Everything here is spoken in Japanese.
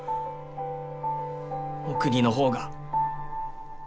お国の方が。